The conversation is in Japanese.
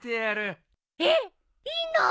えっいいの？